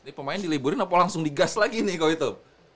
ini pemain diliburin apa langsung digas lagi nih kalau itu